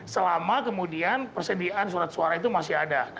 selama kemudian persediaan surat suara itu masih ada